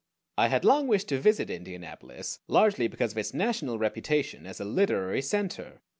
I had long wished to visit Indianapolis, largely because of its national reputation as a literary center.